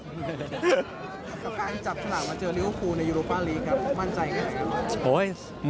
การจับถนัดมาเจอลิวคูลในโรปาลีกครับมั่นใจไหม